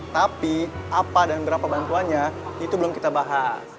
tapi apa dan berapa bantuannya itu belum kita bahas